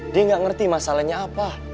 dia nggak ngerti masalahnya apa